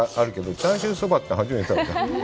チャーシューそばって初めて食べた。